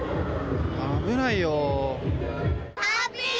危ないよ。